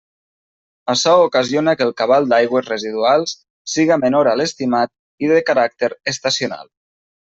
Açò ocasiona que el cabal d'aigües residuals siga menor a l'estimat i de caràcter estacional.